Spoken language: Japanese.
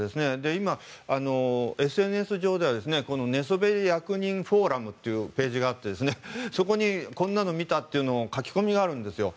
今、ＳＮＳ上では寝そべり役人フォーラムというページがあってそこにこんなのを見たという書き込みがあるんですよ。